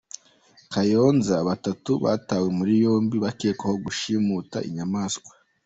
Kayonza Batatu batawe muri yombi bakekwaho gushimuta inyamaswa